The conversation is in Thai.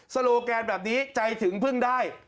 โลแกนแบบนี้ใจถึงพึ่งได้